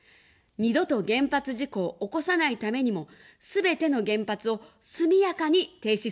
二度と原発事故を起こさないためにも、すべての原発を速やかに停止すべきです。